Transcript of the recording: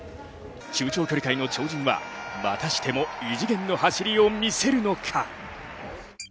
中長距離界の超人は、またしても異次元の走りを見せるのか。